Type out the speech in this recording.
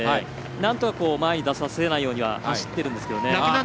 なんとか前に出させないようには走っているんですけどね。